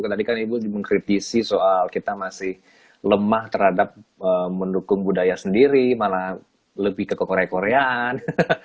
tadi kan ibu mengkritisi soal kita masih lemah terhadap mendukung budaya sendiri malah lebih ke ke korea koreaan